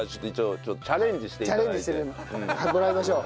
チャレンジしてもらいましょう。